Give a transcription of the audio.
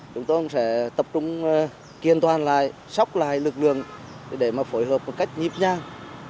chúng tôi sẽ tập trung kiên toàn lại sóc lại lực lượng để phối hợp một cách nhịp nhang